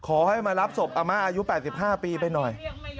ขอให้มารับศพอาม่าอายุ๘๕ปีไปหน่อย